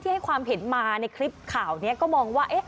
ให้ความเห็นมาในคลิปข่าวนี้ก็มองว่า